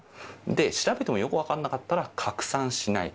で、調べてもよく分からなかったら、拡散しない。